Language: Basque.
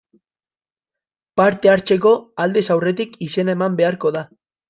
Parte hartzeko, aldez aurretik izena eman beharko da.